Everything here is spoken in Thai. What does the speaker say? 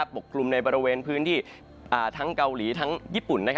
กลุ่มในบริเวณพื้นที่ทั้งเกาหลีทั้งญี่ปุ่น